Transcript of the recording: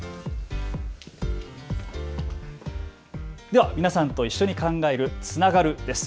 では皆さんと一緒に考えるつながるです。